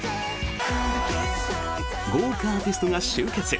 豪華アーティストが集結！